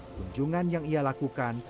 kunjungan yang ia lakukan